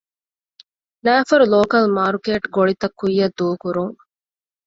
ނައިފަރު ލޯކަލް މާރުކޭޓް ގޮޅިތައް ކުއްޔަށް ދޫކުރުން